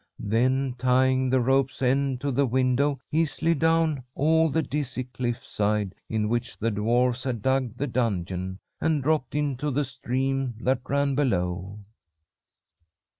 Then tying the rope's end to the window, he slid down all the dizzy cliffside in which the dwarfs had dug the dungeon, and dropped into the stream that ran below.